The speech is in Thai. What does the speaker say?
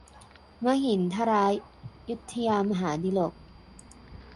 มหินทรายุทธยา มหาดิลกภพ